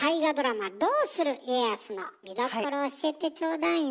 「どうする家康」の見どころを教えてちょうだいよ。